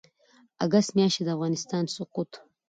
اګسټ میاشتې د افغانستان سقوط